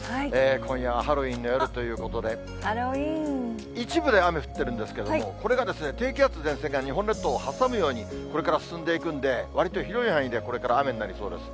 今夜はハロウィーンの夜ということで、一部で雨降ってるんですけれども、これがですね、低気圧、前線が日本列島を挟むように、これから進んでいくんで、わりと広い範囲でこれから雨になりそうです。